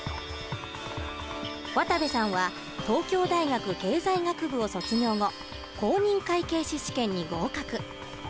渡部さんは東京大学経済学部を卒業後公認会計士試験に合格。